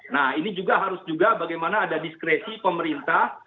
nah ini juga harus juga bagaimana ada diskresi pemerintah